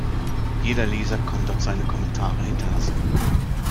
Jeder Leser kann dort seine Kommentare hinterlassen.